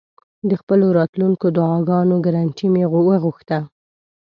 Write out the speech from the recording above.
د خپلو راتلونکو دعاګانو ګرنټي مې وغوښته.